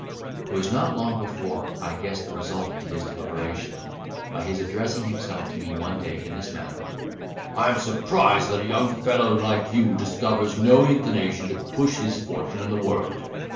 It was not long before I guessed the result of his deliberation, by his addressing himself to me one day in this manner: "I am surprised that a young fellow like you discovers no inclination to push his fortune in the world.